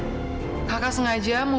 siapa ya sebenarnya nih